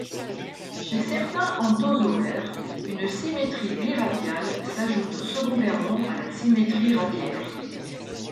Chez certains anthozoaires, une symétrie biradiale s'ajoute secondairement à la symétrie radiaire.